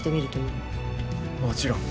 もちろん。